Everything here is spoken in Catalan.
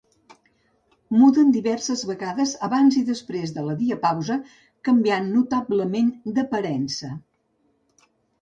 Muden diverses vegades abans i després de la diapausa, canviant notablement d'aparença.